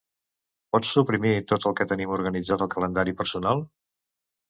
Pots suprimir tot el que tenim organitzat al calendari personal?